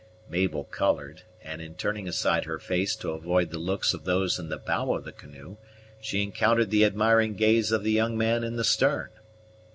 Mabel colored; and, in turning aside her face to avoid the looks of those in the bow of the canoe, she encountered the admiring gaze of the young man in the stern.